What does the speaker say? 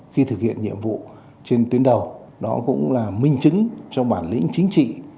khi thực hiện nhiệm vụ trên tuyến đầu đó cũng là minh chứng cho bản lĩnh chính trị